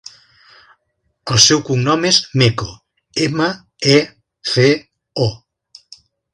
El seu cognom és Meco: ema, e, ce, o.